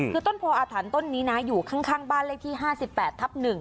คือต้นโพออาถรรพ์ต้นนี้นะอยู่ข้างบ้านเลขที่๕๘ทับ๑